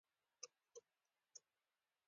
ژوندي تېروتنه اصلاح کوي